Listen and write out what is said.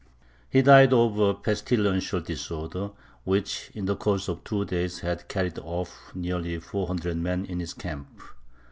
He died of a pestilential disorder, which, in the course of two days, had carried off nearly 400 men in his camp.